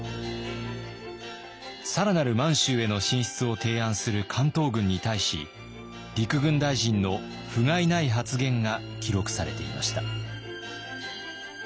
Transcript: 更なる満州への進出を提案する関東軍に対し陸軍大臣のふがいない発言が記録されていました。